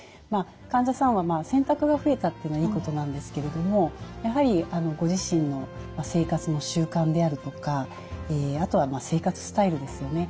患者さんは選択が増えたっていうのはいいことなんですけれどもやはりご自身の生活の習慣であるとかあとは生活スタイルですよね。